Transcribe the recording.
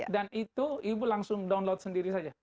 dan itu ibu langsung download sendiri saja